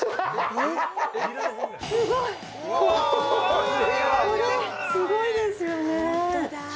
これはこれすごいですよね